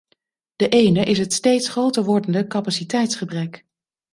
De ene is het steeds groter wordende capaciteitsgebrek.